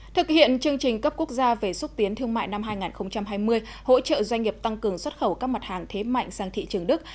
thực hiện chương trình cấp quốc gia về xúc tiến thương mại năm hai nghìn hai mươi hỗ trợ doanh nghiệp tăng cường xuất khẩu các mặt hàng thế mạnh sang thị trường đức